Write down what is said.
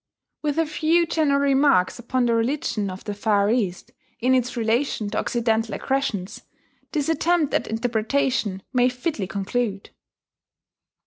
]With a few general remarks upon the religion of the Far East, in its relation to Occidental aggressions, this attempt at interpretation may fitly conclude.